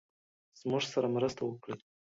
زموږ سره مرسته وکړی.